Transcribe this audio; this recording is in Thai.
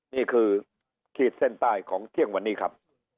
นี่คือขีดเส้นใต้ของเที่ยงวันนี้ครับ